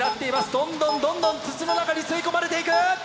どんどんどんどん筒の中に吸い込まれていく！